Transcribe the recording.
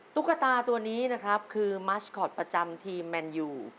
ตุ๊กตาตัวนี้นะครับคือมัสคอตประจำทีมแมนยู